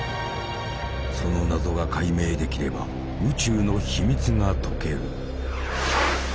その謎が解明できれば宇宙の秘密が解ける。